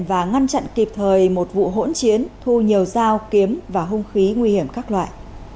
và ngăn chặn kịp thời một vụ hỗn chiến thu nhiều dao kiếm và hung khí nguy hiểm các loại